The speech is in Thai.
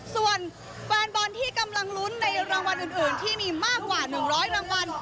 ส่วนแฟนบอลที่กำลังลุ้นในรางวัลอื่นที่มีมากกว่า๑๐๐รางวัล